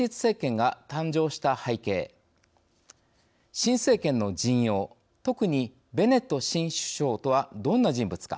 新政権の陣容特にベネット新首相とはどんな人物か。